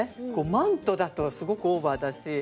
マントだとすごくオーバーだし。